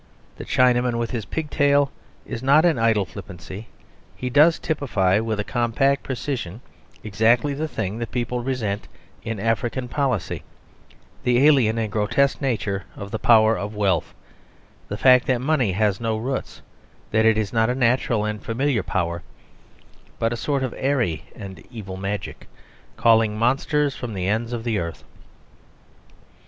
The Chinaman with his pigtail is not an idle flippancy. He does typify with a compact precision exactly the thing the people resent in African policy, the alien and grotesque nature of the power of wealth, the fact that money has no roots, that it is not a natural and familiar power, but a sort of airy and evil magic calling monsters from the ends of the earth.